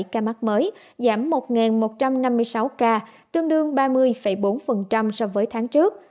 tám tám trăm linh bảy ca mắc mới giảm một một trăm năm mươi sáu ca tương đương ba mươi bốn so với tháng trước